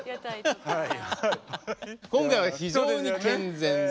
今回は非常に健全で。